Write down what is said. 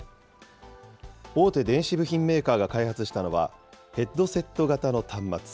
大手電子部品メーカーが開発したのは、ヘッドセット型の端末。